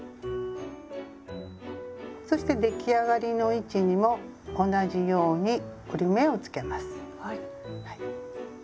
そして出来上がりの位置にも同じように折り目をつけます。